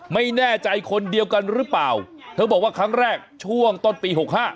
ไม่แน่ใจคนเดียวกันหรือเปล่าเธอบอกว่าครั้งแรกช่วงต้นปี๖๕